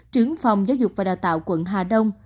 trưởng phòng giáo dục và đào tạo quận hà đông